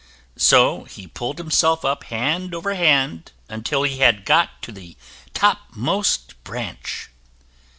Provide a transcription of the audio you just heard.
So he pulled himself up hand over hand until he had got to the topmost branch.